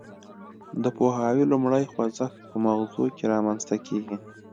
د پوهاوي لومړی خوځښت په مغزو کې رامنځته کیږي